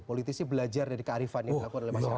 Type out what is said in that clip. politisi belajar dari kearifan yang dilakukan oleh masyarakat